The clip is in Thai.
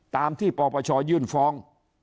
ตามที่ปปชยื่นฟ้อง